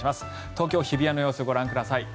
東京・日比谷の様子ご覧ください。